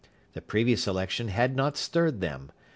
The previous election had not stirred them.